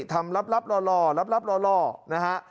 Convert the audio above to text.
ทำรับรอรับรอนะฮะ